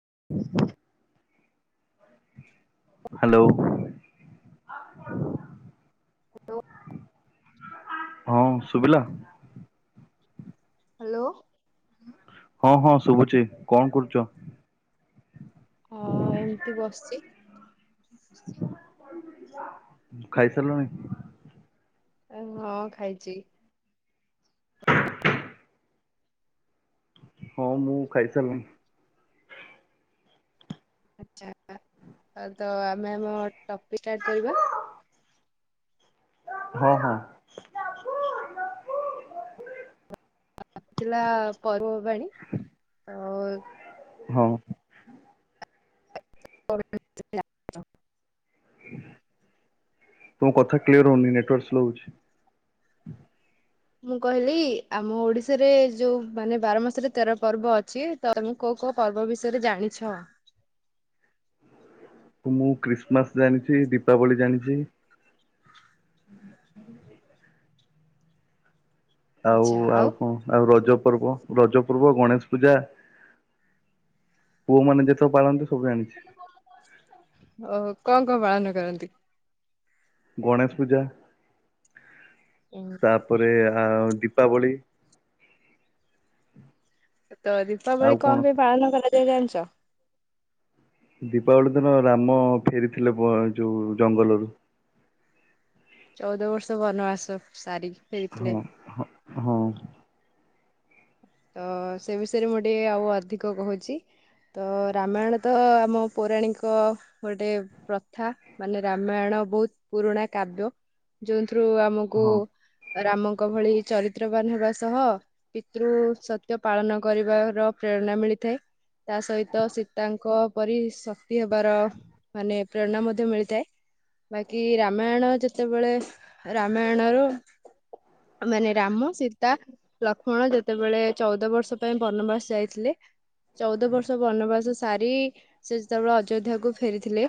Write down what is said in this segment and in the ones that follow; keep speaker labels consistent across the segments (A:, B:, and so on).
A: [inaudible]
B: Hello
A: ହଁ ଶୁଭିଲା
B: hello
A: ହଁ ହଁ ଶୁଭୁଛି କଣ କରୁଛ?
B: ହଁ ଏମିତି ବସିଚି।
A: [inaudible] ଖାଇସାରିଲଣିାଇ?
B: ହଁ ଖାଇଚି।
A: ହଁ ମୁଁ ଖାଇସାରିଲିଣି
B: ଆଛା ତ ଆମେ ଆମ ଟପିକ ଷ୍ଟେଟକରିବା
A: ହଁ ହଁ
B: ଆ ଥିଲା [unintelligible]
A: ହଁ ତମ କଥା କ୍ଲିୟର ହଉନି ନେଟୱାର୍କ ସ୍ଲୋ ହଉଛି
B: ମୁଁ କହିଲି ଆମ ଓଡିଶାରେ ଯୋଉ ମାନେ ବାର ମାସରେ ତେର ପର୍ବ ଅଛି ତ ତମେ କୋଉ କୋଉ ପର୍ବ ବିଷୟରେ ଜାଣିଛ
A: ମୁଁ ଖ୍ରୀଷ୍ଟମାସ ଜାଣିଛି ଦୀପାବଳି ଜାଣିଛି ଆଉ ଆଉ କଣ ଆଉ ରଜ ପର୍ବ ରଜ ପର୍ବ ଗଣେଶ ପୂଜା ପୁଅ ମାନେ ଯେତେବେଳେ ପାଳନ୍ତି ସବୁ ଜାଣିଛି
B: ଓ କଣ କଣ ପାଳନ କରନ୍ତି
A: ଗଣେଶ ପୂଜା ତାପରେ ଆଉ ଦୀପାବଳି
B: ତ ଦୀପାବଳି କଣ ପାଇଁ ପାଳନ କରା ଯାଏ ଜାଣିଛ
A: ଦୀପାବଳି ଦିନ ରାମ ଫେରିଥିଲେ ବ ଯୋଉ ଜଙ୍ଗଲରୁ
B: ଚଉଦ ବର୍ଷ ବନବାସ ସାରି
A: ହଁ
B: ଫେରିଥିଲେ
A: ହଁ
B: ତ ସେ ବିଷୟରେ ମୁଁ ଟିକେ ଆଉ ଅଧିକ କହୁଛି ତ ରାମାୟଣ ତ ଆମ ପୌରାଣିକ ଗୋଟେ ପ୍ରଥା ମାନେ ରାମାୟଣ ବହୁତ ପୁରୁଣା କାବ୍ୟ ଯୋଉ ରୁ ଆମକୁ
A: ହଁ
B: ରାମଙ୍କ ଭଳି ଚରିତ୍ରବାନ ହେବା ସହ ପିତୃ ସତ୍ୟ ପାଳନ କରିବାର ପ୍ରେରଣା ମିଳିଥାଏ ତା ସହିତ ସୀତାଙ୍କ ପରି ଶକ୍ତି ହେବାର ମାନେ ପ୍ରେରଣା ମଧ୍ୟ ମିଳିଥାଏ ବାକି ରାମାୟଣ ଯେତେବେଳେ ରାମାୟଣର ମାନେ ରାମ ସୀତା ଲ କଣ ଯେତେବେଳେ ଚଉଦ ବର୍ଷ ପାଇଁ ବନବାସ ଯାଇଥିଲେ ଚଉଦ ବର୍ଷ ବନବାସ ସାରି ସେ ଯେତେବେଳେ ଅଯୋଧ୍ୟାକୁୁ ଫେରିଥିଲେ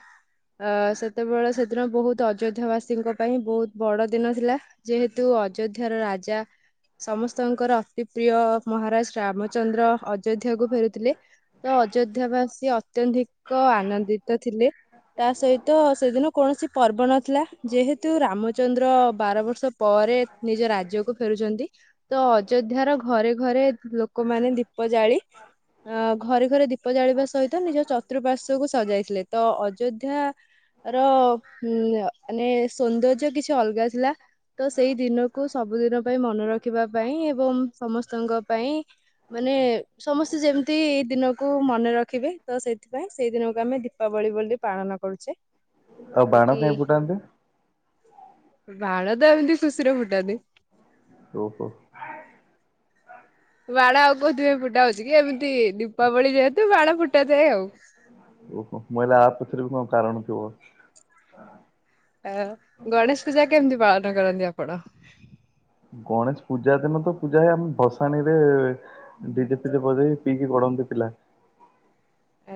B: ଆ ସେତେବେଳେ ସେଦିନ ବହୁତ ଅଯୋଧ୍ୟା ବାସୀଙ୍କ ପାଇଁ ବହୁତ ବଡ ଦିନ ଥିଲା ଯେହେତୁ ଅଯୋଧ୍ୟାର ରାଜା ସମସ୍ତଙ୍କର ପ୍ରିୟ ମହାରାଜ ରାମଚନ୍ଦ୍ର ଅଯୋଧ୍ୟା କୁ ଫେରୁଥିଲେ ତ ଅଯୋଧ୍ୟା ବାସୀ ଅତ୍ୟଧିକ ଆନନ୍ଦିତ ଥିଲେ ତା ସହିତ ସେଦିନ କୌଣସି ପର୍ବ ନଥିଲା ଯେହେତୁ ରାମଚନ୍ଦ୍ର ବାର ବର୍ଷ ପରେ ନିଜ ରାଜ୍ୟକୁ ଫେରୁଛନ୍ତି ତ ଅଯୋ ଅଯୋଧ୍ୟାର ଘରେ ଘରେ ଲୋକମାନେ ଦୀପ ଜାଳି ଆ ଘରେ ଘରେ ଦୀପ ଜାଳିବା ସହିତ ନିଜ ଚତୁଃପାର୍ଶ୍ଵକୁ ସଜାଇଥିଲେ ତ ଅଯୋଧ୍ୟା ର ଉଁ ମାନେ ସୌନ୍ଦର୍ଯ୍ୟ କିଛି କିଛି ଅଲଗା ଥିଲା ତ ସେଇ ଦିନକୁ ସବୁ ଦିନ ପାଇଁ ମନେ ରଖିବା ପାଇଁ ଏବଂ ସମସ୍ତଙ୍କ ପାଇଁ ମାନେ ସମସ୍ତେ ଯେମିତି ଏଇ ଦିନକୁ ମନେ ରଖିବେ ତ ସେଥିପାଇଁ ସେଇ ଦିନକୁ ଆମେ ଦୀପାବଳି ବୋଲି ପାଳନ କରୁଛେ।
A: ଆଉ ବାଣ
B: ବାକି
A: କାଇଁ ଫୁଟାନ୍ତି
B: ବାଣ ତ ଏମିତି ଖୁସିରେ ଫୁଟାନ୍ତି
A: ଓହୋ
B: ବାଣ ଆଉ କୋଉଥିମାଇଁ ଫୁଟା ହଉଛି କି ଏମିତି ଦୀପାବଳି ଯେହେତୁ ବାଣ ଫୁଟା ଯାଏ ଆଉ
A: ଓହୋ ମୁଁ କହିଲି ଇୟା ପଛରେ ଵି କଣ କାରଣ ଥିବ
B: ଆ ଗଣେଶ ପୂଜା କେମିତି ପଳାନ୍ତି କଣ କରନ୍ତି ଆପଣ?
A: ଗଣେଶ ପୂଜା ଦିନ ତ ପୂଜା ହୁଏ ଆମେ ଭସାଣିରେ ଡିଜେଫିଜେ ବଜେଇ ପିଇକି ଗଡନ୍ତି ପିଲା।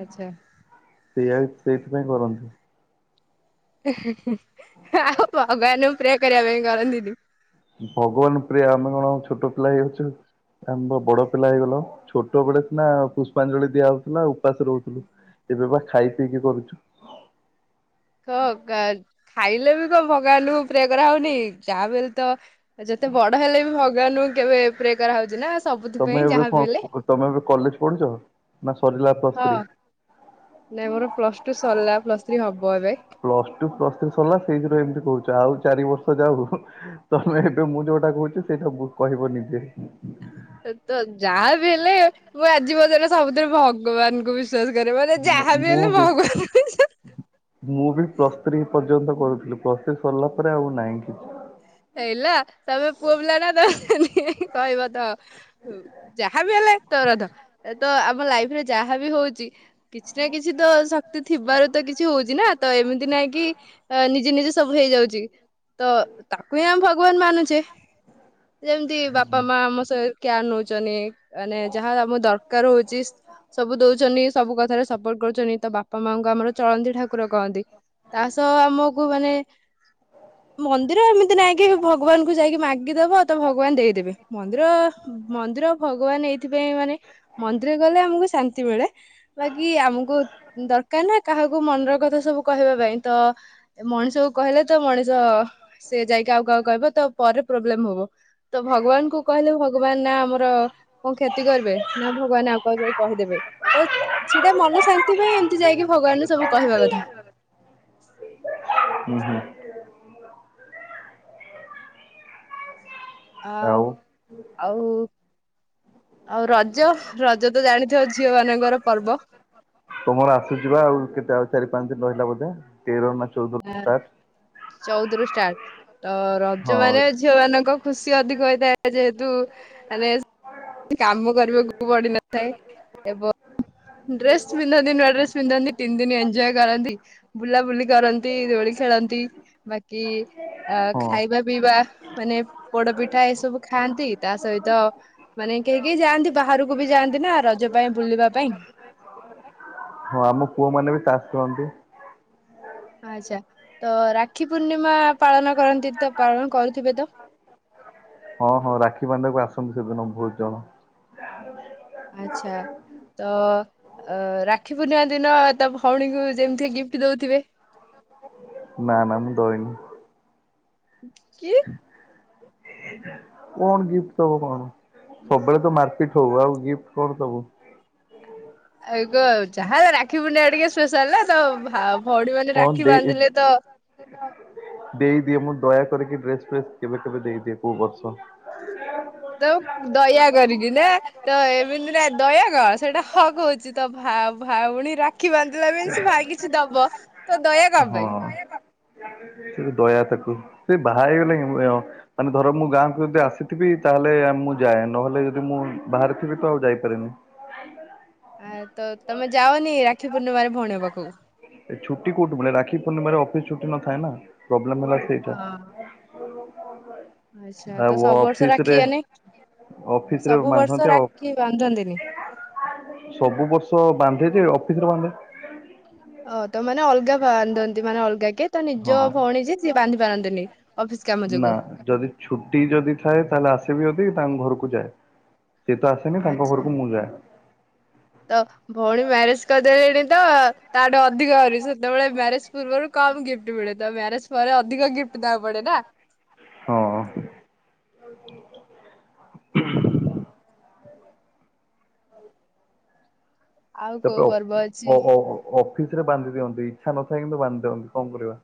B: ଆଚ୍ଛା।
A: ସେଇଥିପାଇଁ କରନ୍ତି।
B: ହେଁହେଁହେଁ। ଆଉ ଭଗବାନୁ ପ୍ରେ କରିବା ପାଇଁ କରନ୍ତିନି?
A: ଭଗବାନ ପ୍ରେ ଆମେ କଣ ଆଉ ଛୋଟ ପିଲା ହେଇଅଛୁ, ଆମେ ପା ବଡ ପିଲା ହେଇଗଲୁଣୁ ଛୋଟ ବେଳେ ସିନା ପୁଷ୍ପାଞ୍ଜଳି ଦିଆ ହଉଥିଲା ଉପାସ ରହୁଥିଲୁ ଏବେ ପା ଖାଇପିଇକି କରୁଛୁ।
B: କ କାଲ୍ ଖାଇଲେ ବି କଣ ଭଗବାନଙ୍କୁ ପ୍ରେ କରାହଉନି, ଯାହା ବି ହେଲେ ତ ଯେତେ ବଡ ହେଲେ ବି ଭଗବାନଙ୍କୁ କେବେ ପ୍ରେ କରା ହଉଛି ନା
A: ତମେ
B: ସବୁଥିପାଇଁ
A: ଏବେ
B: ଯାହାବି ହେଲେ
A: କଣ ତମେ ଏବେ କଲେଜ ପଢୁଛ ନା ସରିଲା ପ୍ଲସ୍
B: ହଁ
A: ଥ୍ରୀ?
B: ନାଇଁ ମୋର ପ୍ଲସ୍ ଟୁ ସରିଲା ପ୍ଲସ ଥ୍ରୀ ହବ୍
A: ପ୍ଲସ୍ ଟୁ ପ୍ଲସ୍ ଥ୍ରୀ ସରିଲା ସେଇଥିରେ ଏମିତି କହୁଛୁ। ଆଉ ଚାରି ବର୍ଷ ଯାଉ ତମେ ଏବେ ମୁଁ ଯୋଉଟା କହୁଛି ସେଇଟା କହିବ ନିଜେ।
B: ତ ତ ଯାହା ବି ହେଲେ ମୁଁ ଆଜି ପର୍ଯ୍ୟନ୍ତ ସବୁଥିରେ ଭଗବାନଙ୍କୁ ବି ବିଶ୍ଵାସ କରେ ମାନେ
A: ମୁଁ
B: ଯାହା ବି
A: ମୁଁ
B: ହେଲେ ଭଗବାନଙ୍କୁ
A: ମୁଁ ବି ପ୍ଲସ୍ ଥ୍ରୀ ପର୍ଯ୍ୟନ୍ତ କରୁଥିଲି ପ୍ଲସ୍ ଥ୍ରୀ ସରିଲା ପରେ ଆଉ ନାହିଁ କିଛି।
B: ହେଲା ତମେ ପୁଅ ପିଲା ନା ତମେ କହିବ ତ ଯାହାବି ହେଲେ ତୋର ତ ତ ଆମ ଲାଇଫରେ ଯାହା ବି ହଉଛି। କିଛି ନା କିଛି ତ ଶକ୍ତି ଥିବାରୁ ତ କିଛି ହଉଛି ନା ତ ଏମିତି ନାଇଁ କି ନିଜ୍- ନିଜେ ନିଜେ ସବୁ ହେଇଯାଉଛି ତ ତାକୁ ହିଁ ଆମେ ଭଗବାନ ମାନୁଛେ, ଯେମିତି ବାପା ମା ଆମ ସହ କ୍ୟାର ନେଉ। [unintelligible] ମାନେ ଯାହା ଆମ ଦରକାର ହଉଛି ସବୁ ଦଉଛନ୍ତି ସବୁ କଥାରେ ସପୋର୍ଟ କରୁଛନ୍ତି ତ ବାପା ମାଙ୍କୁ ଆମର ଚଳନ୍ତି ଠାକୁର କହନ୍ତି ତା ସହ ଆମକୁ ମାନେ ମନ୍ଦ୍ ଏମିତି ନାଇଁ କି ଭଗବାକୁ ଯାଇକି ମାଗିଦବ ତ ଭଗବାନ ଦେଇଦେବେ, ମନ୍ଦିର, ମନ୍ଦିର ଭଗବାନ ଏଇଥିପାଇଁ ମାନେ ମନ୍ଦିର ଗଲେ ଆମକୁ ଶାନ୍ତି ମିଳେ ବାକି ଆମକୁ ଦରକାର ନା କାହାକୁ ମନର କଥା ସବୁ କହିବା ପାଇଁ ତ ମଣିଷକୁ କହିଲେ ତ ମଣିଷ ସେ ଯାଇକି ଆଉ କହାକୁ କହିବ ତ ପରେ ପ୍ରୋବ୍ଲେମ ହବ ତ ଭଗବାନକୁ କହିଲେ ଭଗବାନ ନା ଆମର କଣ କ୍ଷତି କରିବେ ନା ଭଗବାନ ଆଉ କାହାକୁ ଯାଇକି କହିଦେବେ ତ ସେଟା ମନ ଶାନ୍ତି ପାଇଁ ଏମିତି ଯାଇକି ଭଗବାନକୁ ସବୁ କହିବା କଥା।
A: ଉଁ ହୁଁ
B: ଆଆ ଉ
A: ଆଉ
B: ଆଉ ଆଉ ରଜ, ରଜ ତ ଜାଣିଥିବ ଝିଅ ମାନଙ୍କର ପର୍ବ।
A: ଦିନ୍ ରହିଲା ବୋଧେ ତେର ନା ଚଉଦ ରୁ
B: ଏଁ
A: ଷ୍ଟାର୍ଟ
B: ଚଉଦରୁ ଷ୍ଟାର୍ଟ, ତ ରଜ
A: ହଁ
B: ମାନେ ଝିଅମାନଙ୍କ ଖୁସ୍ ସିଂ ଅଧିକ ହୋଇଥାଏ ଯେହେତୁ ମାନେ କାମ କରିବାକୁ ପଡିିନଥାଏ ଏବଂ ଡ୍ରେସ୍ ପିନ୍ଧନ୍ତି ନୂଆ ଡ୍ରେସ୍ ପିନ୍ଧନ୍ତି ତିନି ଦିନ ଏଞ୍ଜୟ କରନ୍ତି। ବୁଲାବୁଲି କରନ୍। ନ୍ତି ଦୋଳି ଖେଳନ୍ତି ବାକି ଅ
A: ହଁ
B: ଖାଇବାପିଇବା ମାନେ ପୋଡପିଠା ଏ ସବୁ ଖାଆନ୍ତି ତା ସହିତ ମାନେ କେହି କେହି ଯାଆନ୍ତି ବାହାରକୁ ବି ଯାଆନ୍ତି ନା ରଜ ପାଇଁ ବୁଲିବା ପାଇଁ।
A: ହଁ ଆମ ପୁଅ ମାନେ ବି ଚାଷ ହଅନ୍ତି।
B: ଆଚ୍ଛା ତ ରାକ୍ଷୀ ପୂର୍ଣ୍ଣିମା ପାଳନ କରନ୍ତି ତ ପାଳନ କରୁଥିବେ ତ
A: ହଁ ହଁ ରାକ୍ଷୀ ବାନ୍ଧିଆକୁ ଆସନ୍ତି ସେଦିନ ବହୁତ ଜଣ ।
B: ଆଚ୍ଛା
A: [inaudible]
B: ତ ରାକ୍ଷୀ ପୂର୍ଣ୍ଣିମା ଦିନ ତ ଭଉଣୀଙ୍କୁ ଯେମିତି ଗିଫ୍ଟ ଦଉଥିବେ?
A: ନା ନା ମୁଁ ଦଇନି।
B: କିଏ?
A: କଣ ଗିଫ୍ଟ ଦବ କଣ ସବୁବେଳେ ତ ମାରପିଟ ହଉ ଆଉ ଗିଫ୍ଟ କଣ ଦବୁ ।
B: ଆଉ କ ଯାହା ହେଲେ ରାକ୍ଷୀ ପୂର୍ଣ୍ଣିମା ଟିକେ ସ୍ପେଶାଲ ନା ତ ଭଉଣୀ ମାନେ
A: କଣ
B: ରାକ୍ଷୀ
A: ଦେଇ
B: ବାନ୍ଧିଲେ ତ
A: ଦେଇଦିଏ ମୁଁ ଦୟା କରିକି ଡ୍ରେସ ଫେସ୍ କେବେ କେବେ ଦେଇ ଦିଏ କୋଉ ବର୍ଷ ।
B: ତ ଦୟା କରିକି ନା ତ ଏମିତିରେ ଆ ଦୟା କଣ ସେଇଟା ହକ ହଉଛି ତ ଭା ଭାଉଣୀ ରା କ୍ଷୀ ବାନ୍ଧିଲା ବୋଲି ସେ ଭାଇ କିଛି ଦବତ ଦୟା କଣ ପାଇଁ?
A: ସେ ଦୟା ତାକୁ। ସେ ବାହା ହେଇଗଲେ ହିଁ ହୟ ମାନେ ଧର ମୁଁ ଗାଁକୁ ଏବେ ଆସିଥିବି ତାହେଲେ ମୁଁ ଯାଏ ନହେଲେ ଯଦି ମୁଁ ବାହାରେ ଥିବି ତ ଆଉ ଯାଇପାରେନି।
B: ଆ ତ ତମେ ଯାଅନି ରାକ୍ଷୀ ପୂର୍ଣ୍ଣିମାରେ ଭଉଣୀଙ୍କ ପାଖକୁ?
A: ଏ ଛୁଟି କୋଉଠୁ ମିଳେ ରାକ୍ଷୀ ପୂର୍ଣ୍ଣିମାରେ ଅଫିସ୍ ଛୁଟି ନ ଥାଏ ନା ପ୍ରୋବ ବ୍ଲେମ୍ ହେଲା ସେଇଟା
B: ହଁ
A: ।
B: ଆଚ୍ଛା ତ ସବୁ ବର୍ଷ
A: ରେ
B: ରାକ୍ଷୀ ଆନି
A: ଅଫିସ ରେ
B: ସବୁ
A: ବାନ୍ଧନ୍ତି
B: ବର୍ଷ
A: ଆଉ
B: ରାକ୍ଷୀ ବାନ୍ଧନ୍ତିନି?
A: ସବୁ ବର୍ଷ ବାନ୍ଧେ ଯେ ଅଫିସରେ ବାନ୍ଧେ।
B: ଅ ତ ମାନେ ଅଲଗା ବାନ୍ଧନ୍ତି ମାନେ ଅଲଗା କିଏ ତ
A: ହଁ।
B: ନିଜ ଭଉଣୀ ଯେ ସିଏ ବାନ୍ଧି ପାରନ୍ତିନି। ଅଫିସ କାମ
A: ନା
B: ଯୋଗୁ।
A: ଯଦି ଛୁଟି ଯଦି ଥାଏ ତାହେଲେ ଆସିବି ତାଙ୍କ ଘରକୁ ଯାଏ। ସିଏ ତ ଆସେନି ତାଙ୍କ
B: ଆଚ୍ଛା।
A: ଘରକୁ ମୁଁ ଯାଏ।
B: ତ ଭଉଣୀ ମ୍ୟାରେଜ କରିଦେଲେଣି ତ ତାଠୁ ଅଧିକ ଆହୁରି ସେତେବେଳେ ମ୍ୟାରେଜ ପୂର୍ବରୁ କମ ଗିଫ୍ଟ ମିଳେ ତ ମ୍ୟାରେଜ ପରେ ଅଧିକ ଗିଫ୍ଟ ଦବାକୁ ପଡେ ନା।
A: ହଁ। [unintelligible]
B: ଆଉ କୋଉ
A: ତାପରେ
B: ପର୍ବ
A: ହଉ
B: ଅଛି?
A: ହଉ ହଉ ହଉ। ଅଫିସ ରେ ବାନ୍ଧି ଦିଅନ୍ତି ଇଚ୍ଛା ନଥାଏ କିନ୍ତୁ ବାନ୍ଧି ଦିଅନ୍ତି କଣ କରିବା।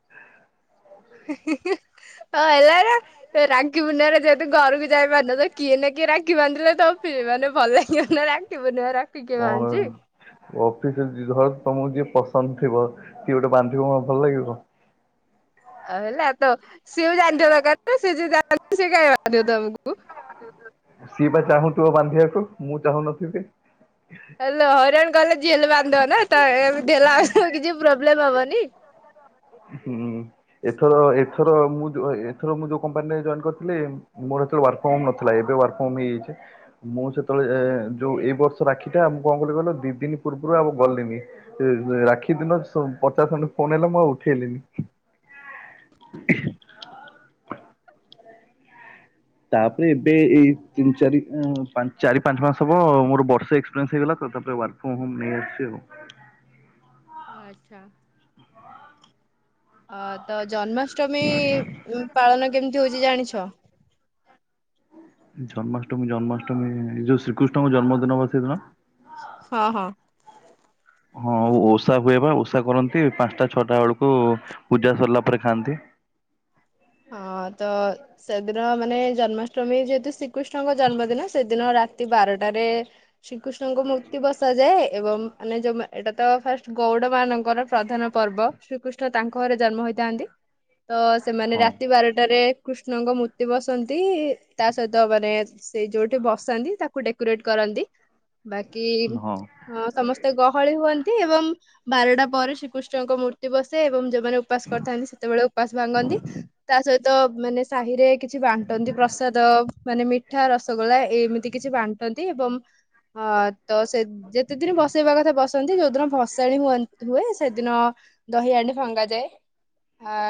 B: ହଁ ହେଲା ନା ରାକ୍ଷୀ ପୂର୍ଣ୍ଣୀମାରେ ଯେହେତୁ ଘରକୁ ଯାଇ ପାରିନ ତ କିଏ ନା କିଏ ରାକ୍ଷୀ ବାନ୍ଧିଲେ ତ ଫିର ମାନେ ଭଲ ଲାଗିବ ନା ରାକ୍ଷୀ ପୂର୍ଣିମାର
A: କଣ ଇଏ ଅଫିସରେ ଯିଏ ଧର ତମକୁ ଯିଏ ପସନ୍ଦ ଥିବ କିଏ ଗୋଟେ ବାନ୍ଧିବ କଣ ଭଲ ଲାଗିବ।
B: ଆଉ ହେଲା ତ ସିଏ ବି ଜାଣିଥିବା ଦରକାର ନା ସିଏ ଯଦି ଜାଣିଥିବ ସିଏ କାଇଁ ବାନ୍ଧିବ ତମକୁ।
A: ସିଏ ବା ଚାହୁଁଥିବ ବାନ୍ଧିବାକୁ ମୁଁ ଚାହୁଁନଥିବି।
B: ହେଲୋ ହରିରାଣ କଲେ ଯିଏ ହେଲେ ବାନ୍ଧିଦବ ନା ତ ଏମିତି ହେଲେ କିଛି ପ୍ରୋବ୍ଲେମ ହବନି
A: ହୁଁ। ଏଥର ଏଥର ମୁଁ ଏଥର ମୁଁ ଯୋଉ କମ୍ପାନୀରେ ଜଏନ୍ କରିଥିଲି ମୋର ଏ ୱାର୍କ ଫୋମ୍ ନଥିଲା ଏବେ ହୋମ ହେଇଯାଇଛି ।ମୁଁ ସେତେବେଳେ ଯୋଉ ଏଇ ବର୍ଷ ରାକ୍ଷୀଟା ମୁଁ କଣ କଲି କହିଲ ମୁଁ ଦି ଦିନ ପୂର୍ବରୁ ଆଉ ଗଲିନି ରାକ୍ଷୀ ଦିନ ପଚାଶ ଖଣ୍ଡେ ଫୋନ ଆସିଲା ମୁଁ ଆଉ ଉଠେଇଲିନି।
B: [unintelligible]
A: ତାପରେ ଏବେ ଏଇ ତିନି, ଚାରି, ଚାରି ପାଞ୍ଚ ମାସ ହବ ମୋର ବର୍ଷେ ଏକ୍ସପିରିଏନ୍ସ ହେଇଗଲା ତ ତାପରେ ୱାର୍କ ଫର୍ମ ହୋମ ନେଇଛି ଆଉ।
B: ଆଚ୍ଛା ତ ଜନ୍ମା ଅଷ୍ଟମୀ ପାଳନ କେମତି କେମିତି ହଉଛି ଜାଣିଛ?
A: ଜନ୍ମାଷ୍ଟମୀ ଜନ୍ମାଷ୍ଟମୀ ଏ ଯୋଉ ଶ୍ରୀକୃଷ୍ଣଙ୍କ ଜନ୍ମଦିନ ବା ସେଦିନ।
B: ହଁ ହଁ
A: ହଁ ଓଷା ହୁଏବା ଓଷା କରନ୍ତି ପାଞ୍ଚଟା ଛଅଟା ବେଳକୁ ପୂଜା ସରିଲା ପରେ ଖାଆନ୍ତି।
B: ହଁ ତ ସେଦିନ ମାନେ ଜନ୍ମାଷ୍ଟମୀ ଅଷ୍ଟମୀ ଯେହେତୁ ଶ୍ରୀକୃଷ୍ଣଙ୍କ ଜନ୍ମଦିନ ସେଦିନ ରାତି ବାରଟାରେ ଶ୍ରୀକୃଷ୍ଣଙ୍କ ମୂର୍ତ୍ତି ବସାଯାଏ ଏବଂ ମାନେ ଯୋଉ ଏଇଟା ତ ଫାଷ୍ଟ ଗୌଡ ମାନଙ୍କର ପ୍ରଧାନ ପର୍ବ ଶ୍ରୀକୃଷ୍ଣ ତାଙ୍କ ଘରେ ଜନ୍ମ ହୋଇଥାନ୍ତି ତ ସେମାନେ
A: ହଁ
B: କୃଷ୍ଣଙ୍କ ମୂର୍ତ୍ତି ବସନ୍ତି ତା ସହିତ ମାନେ ସେଇ ଯୋଉଠି ବସନ୍ତି ତାକୁ ଡେକୋରେଟ କରନ୍ତି ବାକି
A: ହଁ
B: ହ ସମସ୍ତେ ଗହଳି ହୁଅନ୍ତି ଏବଂ ବାରଟା ପରେ ଶ୍ରୀକୃଷ୍ଣଙ୍କ ମୂର୍ତ୍ତି ବସେ ଏବଂ ମାନେ ଉପାସ କରିଥାନ୍ତି ସେତେବେଳେ ଉପାସ ଭାଙ୍ଗନ୍ତି ସହିତ ମାନେ ସାହିରେ କିଛି ବାଣ୍ଟନ୍ତି ପ୍ରସାଦ ମାନେ ମି ଏଠ ର ଶଗୋଲା ଏମିତି କିଛି ବାଣ୍ଟନ୍ତି ଏବଂ ହଁ ତ ସେ ଯେତେ ଦିନ ବସେଇବା କଥା ବସନ୍ତି ଯୋଉଦିନ ଭସାଣୀ ହୁଅ ହୁଏ ସେଦିନ ଦହି ଆଣିେ ଭଙ୍ଗାାଯାଏ ଆ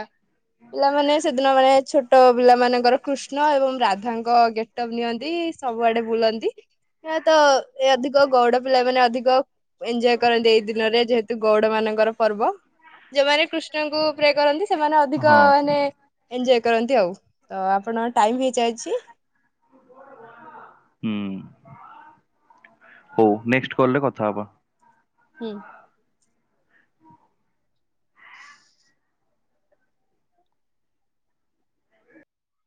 B: ପିଲାମାନେ ସେଦିନ ମାନେ ଛୋଟ ବିଲା ମାନେ ଙ୍କର କୃଷ୍ଣ ଏବଂ ରାଧାଙ୍କ ଗେଟପ ନିଅନ୍ତି ସବୁଆଡେ ବୁଲନ୍ତି ଏହା ତ ଏ ଅଧିକ ଗୌଡ ପିଲା ମାନେ ଅଧିକ ଏଞଜୟ କରନ୍ତି ଏଇ ଦିନରେ ଯେହେତୁ ଗୌଡ ମାନଙ୍କର ପର୍ବ ଯୋଉମାନେ କୃଷ୍ଣଙ୍କୁ ପ୍ରେ କରନ୍ତି ସେମାନେ ଅଧିକ
A: ହଁ
B: ମାନେ ଏଞଜୟ କରନ୍ତି ଆଉ ତ ଆପଣ ଟାଇମ ହେଇ ଚାଛି
A: ହୁଁ ହଉ ନେକ୍ କଲରେ କଥା ହବା
B: ହୁଁ